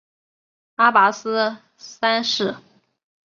阿拔斯三世。